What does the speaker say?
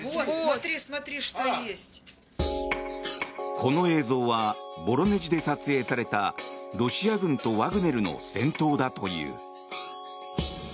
この映像はボロネジで撮影されたロシア軍とワグネルの戦闘だという。